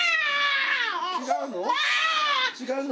違うの？